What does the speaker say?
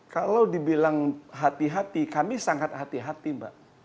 kalau dibilang hati hati kami sangat hati hati mbak